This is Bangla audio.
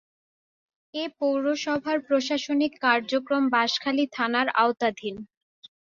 এ পৌরসভার প্রশাসনিক কার্যক্রম বাঁশখালী থানার আওতাধীন।